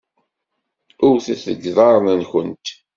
Wtet deg iḍarren-nwen!